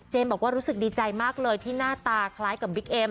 บอกว่ารู้สึกดีใจมากเลยที่หน้าตาคล้ายกับบิ๊กเอ็ม